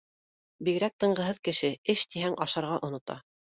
Бигерәк тынғыһыҙ кеше, эш тиһәң ашарға онота